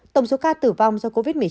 tổng số ca tử vong do covid một mươi chín